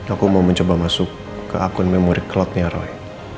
aku mau mencoba masuk ke akun memori clotnya roy